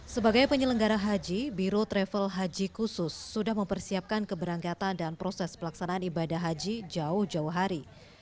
sebagai penyelenggara haji biro travel haji khusus sudah mempersiapkan keberangkatan dan proses pelaksanaan ibadah haji jauh jauh hari